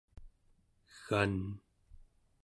egan